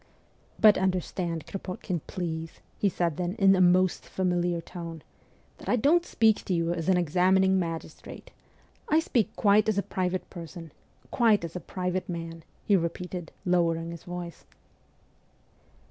' But understand, Kropotkin, please,' he said then in the most familiar tone, ' that I don't speak to you as an examining magistrate. I speak quite as a private person quite as a private man,' he repeated, lowering his voice.